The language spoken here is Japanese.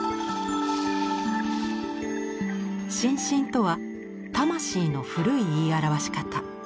「心神」とは「魂」の古い言い表し方。